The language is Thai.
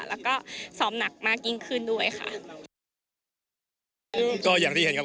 แล้วก็ซ้อมหนักมากยิ่งขึ้นด้วยค่ะก็อย่างที่เห็นครับ